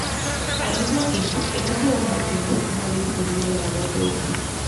Al mismo tiempo, el uso de la mecanización había disminuido la labor de obra.